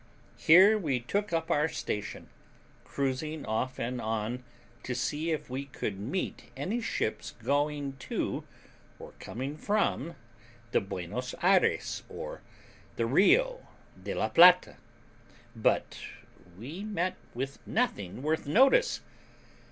Here we took up our station, cruising off and on, to see if we could meet any ships going to or coming from the Buenos Ayres or the Rio de la Plata; but we met with nothing worth notice.